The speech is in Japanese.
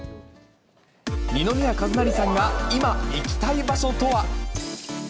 二宮和也さんが今行きたい場所とは。